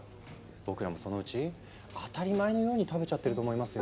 僕らもそのうち当たり前のように食べちゃってると思いますよ。